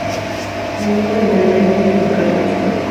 El equipo alemán era dirigido por Carlo Ancelotti.